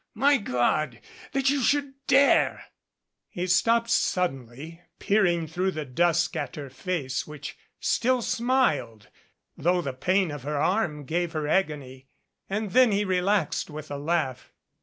My God that you should dare !" He stopped suddenly, peering through the dusk at her face which still smiled, though the pain of her arm gave her agony, and then he relaxed with a laugh.